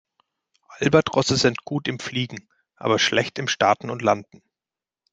Albatrosse sind gut im Fliegen, aber schlecht im Starten und Landen.